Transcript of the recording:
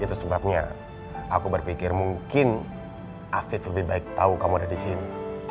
itu sebabnya aku berpikir mungkin afif lebih baik tahu kamu ada disini